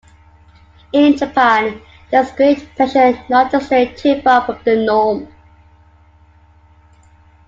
In Japan, there is great pressure not to stray too far from the norm.